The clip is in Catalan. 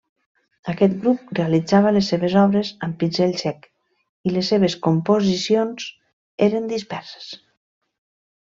Aquest grup realitzava les seves obres amb pinzell sec i les seves composicions eren disperses.